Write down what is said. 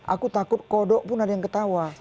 aku takut kodok pun ada yang ketawa